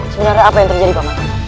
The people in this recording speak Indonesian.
sebenarnya apa yang terjadi paman